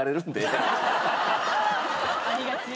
ありがち。